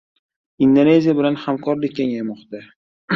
Indoneziya bilan hamkorlik kengaymoqda